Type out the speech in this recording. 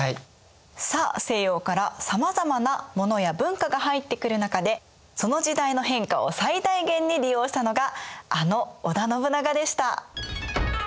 さあ西洋からさまざまなものや文化が入ってくる中でその時代の変化を最大限に利用したのがあの織田信長でした。